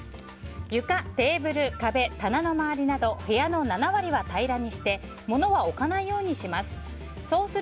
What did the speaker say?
床、テーブル、壁、棚の周りなど部屋の７割は平らにして物は置かないようにします。